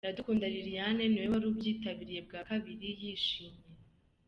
Iradukunda Liliane we wari ubyitabiriye bwa kabiri yishimiye